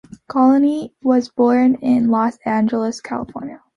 Cooley was born in Los Angeles, California.